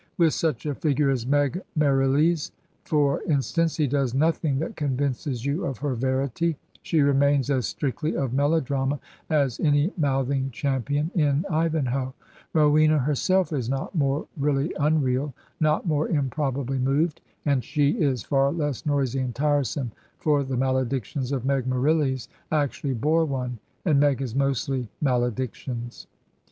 With such a figure as Meg Merrilies, for instance, he does nothing that convinces you of her verity; she remains as strictly of melodrama as any mouthing champion in ''Ivsmhoe"; Rowena herself is not more really imreal, not more improbably moved; and she is far less noisy and tiresome; for the maledictions of Meg MerriUes actually bore one; and Meg is mostly maledictions.